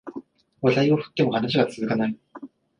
話題を振っても話が続かない